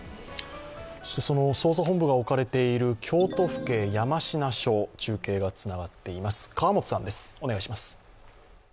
捜査本部が置かれている京都府警山科署に中継がつながっています。